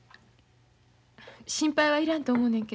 心配はいらんと思うねんけど。